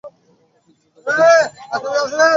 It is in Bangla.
অতিথিবৃন্দের মধ্যেও নিস্তব্ধতা নেমে আসে।